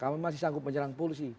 kami masih sanggup menyerang polisi